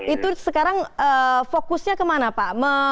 itu sekarang fokusnya kemana pak